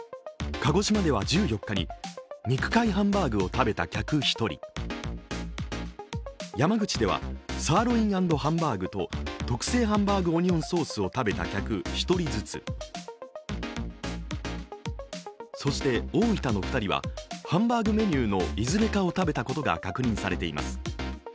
鹿児島では１４日に肉塊ハンバーグを食べた客１人、山口では、サーロイン＆ハンバーグと特製ハンバーグオニオンソースを食べた客１人ずつ、そして、大分の２人はハンバーグメニューのいずれかを食べたことが確認されています。